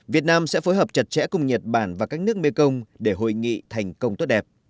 việt nam sẽ phối hợp chặt chẽ cùng nhật bản và các nước mekong để hội nghị thành công tốt đẹp